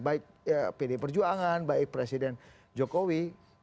baik pd perjuangan baik presiden jokowi